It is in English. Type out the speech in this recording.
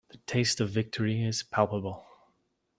The taste of victory is palpable.